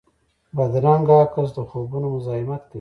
بدرنګه عکس د خوبونو مزاحمت کوي